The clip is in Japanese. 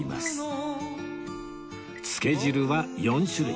つけ汁は４種類